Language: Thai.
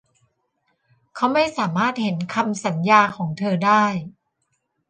เขาไม่สามารถเห็นคำสัญญาของเธอได้